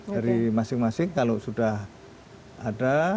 dari masing masing kalau sudah ada